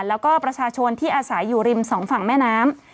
แล้วก็ประชาชนที่อาศัยอยู่ริมสองฝั่งแม่น้ำ